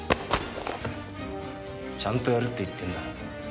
ちゃんとやれって言ってんだ。